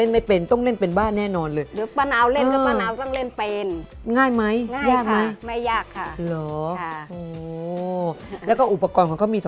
แต่งงานได้ไหมคะชุดนี้